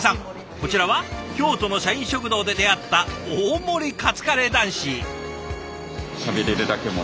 こちらは京都の社員食堂で出会った大盛りカツカレー男子。